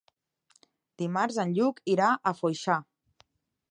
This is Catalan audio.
Dimarts en Lluc irà a Foixà.